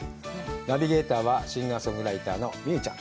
ナビゲーターはシンガーソングライターのＭｉｙｕｕちゃん。